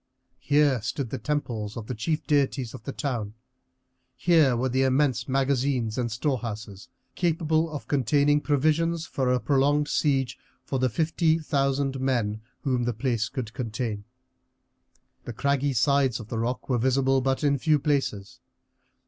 Here stood the temples of the chief deities of the town; here were immense magazines and storehouses capable of containing provisions for a prolonged siege for the fifty thousand men whom the place could contain. The craggy sides of the rock were visible but in few places.